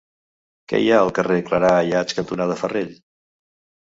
Què hi ha al carrer Clarà Ayats cantonada Farell?